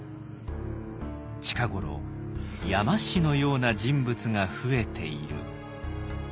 「近頃山師のような人物が増えている」。